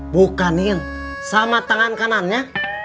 bukan nin sama tangan kanannya